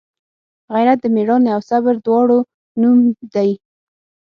غیرت د میړانې او صبر دواړو نوم دی